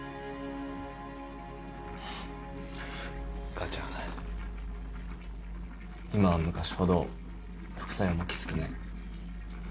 母ちゃん今は昔ほど副作用もきつくない。